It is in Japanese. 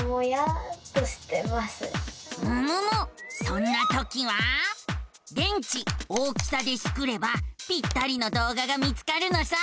そんなときは「電池大きさ」でスクればぴったりの動画が見つかるのさ。